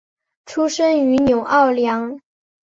出生于纽奥良。